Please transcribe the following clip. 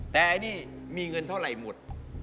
แต่นี่มีเงินเท่าไหร่หมด